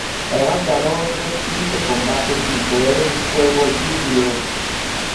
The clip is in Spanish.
Además, ganó otros quince combates sin poner en juego el título.